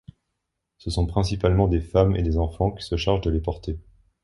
Ce sont principalement des femmes et des enfants qui se chargent de les porter.